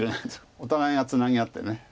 お互いがツナぎ合って。